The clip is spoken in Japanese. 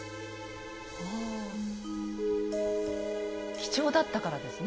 貴重だったからですね。